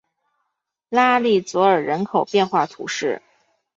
拉利佐尔人口变化图示